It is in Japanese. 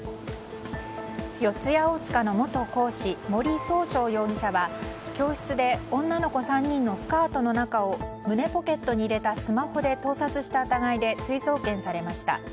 四谷大塚の元講師森崇翔容疑者は教室で女の子３人のスカートの中を胸ポケットに入れたスマホで盗撮した疑いで追送検されました。